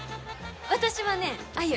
私はねあゆ。